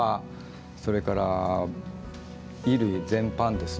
それから、衣類全般ですね。